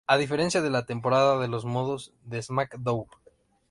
A diferencia de la temporada de los modos de SmackDown!